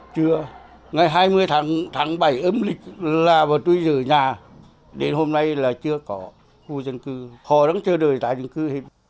chưa ngày hai mươi tháng bảy ấm lịch là tôi rửa nhà đến hôm nay là chưa có khu dân cư họ đang chờ đợi tái định cư